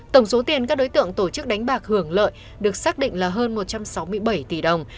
tổng số tiền các đối tượng tổ chức đánh bạc hưởng lợi được xác định là hơn một trăm sáu mươi bảy tỷ đồng